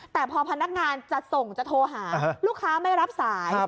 แต่พอพนักงานจะส่งจะโทรหาลูกค้าไม่รับสาย